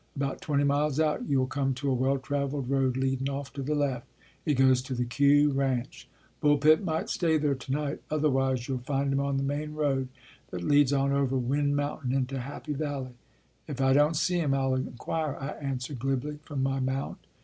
About twenty miles out you ll come to a well traveled road leadin off to the left; it goes to the Q ranch. Bullpit might stay there tonight ; otherwise you ll find him on the main road that leads on over .Wind Mountain into Happy Valley." "If I don t see him I ll inquire," I answered glibly, from my mount.